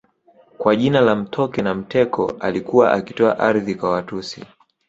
Kwa jina la Mtoke Na mteko alikuwa akitoa ardhi kwa Watusi